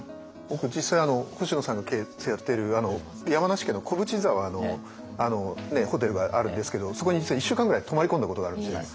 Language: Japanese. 僕実際星野さんの経営やってる山梨県の小淵沢のホテルがあるんですけどそこに実は１週間ぐらい泊まり込んだことがあるんですね。